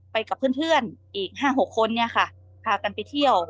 ไปกับเพื่อนเพื่อนเอกห้างหกคนเนี้ยค่ะพากันไปเที่ยว